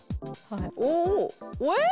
おえっ！